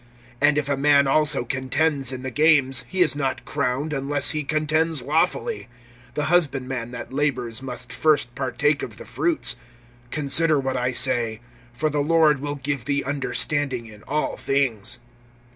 (5)And if a man also contends in the games, he is not crowned, unless he contends lawfully. (6)The husbandman that labors must first partake of the fruits. (7)Consider what I say; for the Lord will give thee understanding in all things.